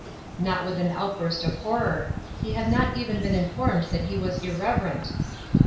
Not with an outburst of horror; he had not even been informed that he was irreverent.